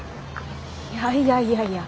いやいやいやいや。